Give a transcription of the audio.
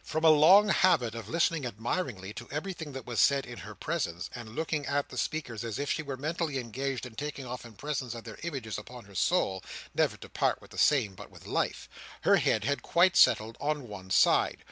From a long habit of listening admiringly to everything that was said in her presence, and looking at the speakers as if she were mentally engaged in taking off impressions of their images upon her soul, never to part with the same but with life, her head had quite settled on one side.